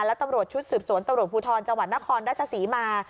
และตำรวจชุดสืบสวนตำรวจภูทรจังหวัดนครราชศรีมา